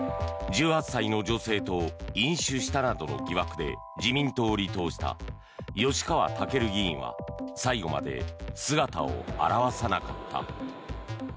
１８歳の女性と飲酒したなどの疑惑で自民党を離党した吉川赳議員は最後まで姿を現さなかった。